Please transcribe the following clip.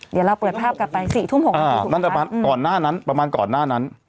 เดี๋ยวเราเปิดภาพกลับไป๔ทุ่ม๖นาทีถูกหรือครับอ่านั่นแต่ประมาณก่อนหน้านั้น